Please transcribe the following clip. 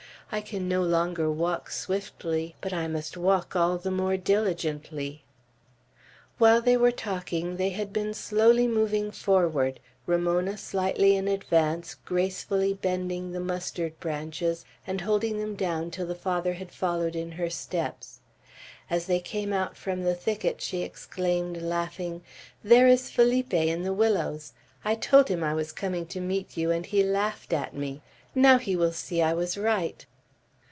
I can no longer walk swiftly, but I must walk all the more diligently." While they were talking, they had been slowly moving forward, Ramona slightly in advance, gracefully bending the mustard branches, and holding them down till the Father had followed in her steps. As they came out from the thicket, she exclaimed, laughing, "There is Felipe, in the willows. I told him I was coming to meet you, and he laughed at me. Now he will see I was right."